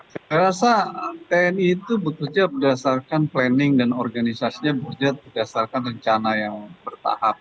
saya rasa tni itu bekerja berdasarkan planning dan organisasinya bekerja berdasarkan rencana yang bertahap